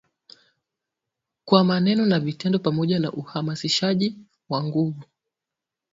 Kwa maneno na vitendo, pamoja na uhamasishaji wa nguvu.